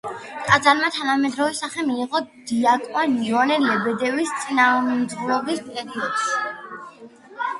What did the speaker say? ტაძარმა თანამედროვე სახე მიიღო დიაკვან იოანე ლებედევის წინამძღვრობის პერიოდში.